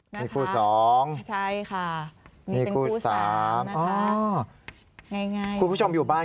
นี่คู่๒นะคะนี่คู่๓นะคะง่ายคุณผู้ชมอยู่บ้าน